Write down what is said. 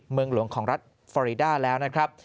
เมืองหลวงของรัฐฟอรีด้าแล้วนะครับ